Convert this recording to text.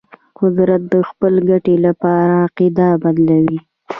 قدرت د خپل ګټې لپاره عقیده بدلوي.